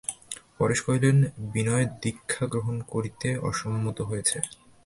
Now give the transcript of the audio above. পরেশ কহিলেন, বিনয় দীক্ষা গ্রহণ করতে অসম্মত হয়েছেন।